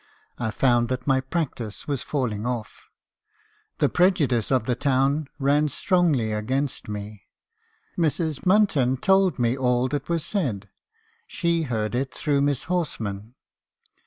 I found that my practice was falling off. The prejudice of the town ran strongly against me. Mrs. Munton told me all that was said. She heard it through Miss Horsman.